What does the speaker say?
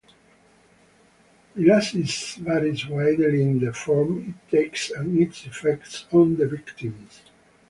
Myiasis varies widely in the forms it takes and its effects on the victims.